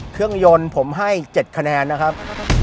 เครื่องยนต์ผมให้๗คะแนนนะครับ